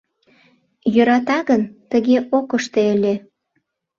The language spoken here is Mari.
— Йӧрата гын, тыге ок ыште ыле.